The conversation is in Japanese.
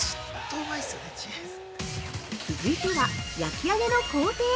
続いては、焼き上げの工程。